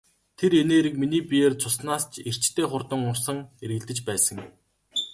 Тэр энерги миний биеэр цуснаас ч эрчтэй хурдан урсан эргэлдэж байсан.